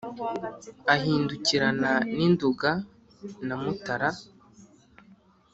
ahindukirana n’i nduga na mutara